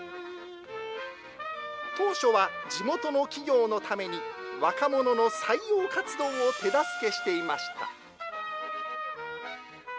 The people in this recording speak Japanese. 当初は、地元の企業のために、若者の採用活動を手助けしていました。